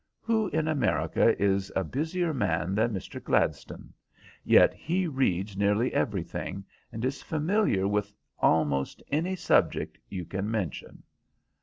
Who in America is a busier man than Mr. Gladstone? Yet he reads nearly everything, and is familiar with almost any subject you can mention."